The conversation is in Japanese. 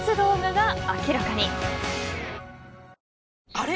あれ？